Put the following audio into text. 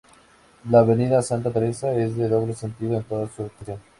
La Avenida Santa Teresa es de doble sentido en toda su extensión.